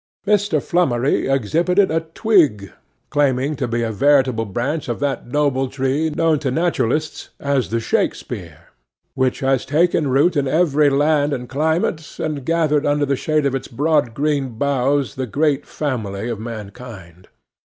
'MR. FLUMMERY exhibited a twig, claiming to be a veritable branch of that noble tree known to naturalists as the SHAKSPEARE, which has taken root in every land and climate, and gathered under the shade of its broad green boughs the great family of mankind.